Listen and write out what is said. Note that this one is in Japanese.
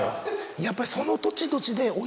やっぱり。